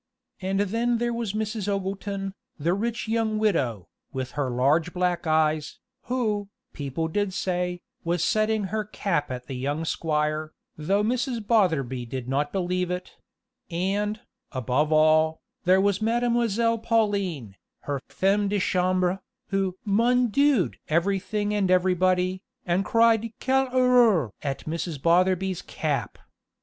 And then there was Mrs. Ogleton, the rich young widow, with her large black eyes, who, people did say, was setting her cap at the young squire, though Mrs. Botherby did not believe it; and, above all, there was Mademoiselle Pauline, her femme de chambre, who "mon Dieu'd" everything and everybody, and cried "Quel horreur!" at Mrs. Botherby's cap.